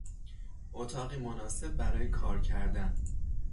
اتاقی مناسب برای کار کردن